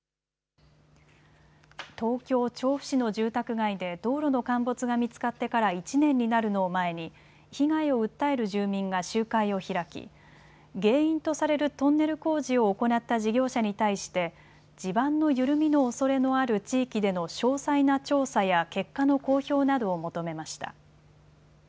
東京調布市の住宅街で道路の陥没が見つかってから１年になるのを前に被害を訴える住民が集会を開き原因とされるトンネル工事を行った事業者に対して地盤の緩みのおそれのある地域での詳細な調査や結果の公表などを求めました。